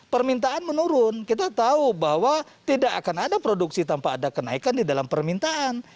permintaan menurun kita tahu bahwa tidak akan ada produksi tanpa ada kenaikan di dalam permintaan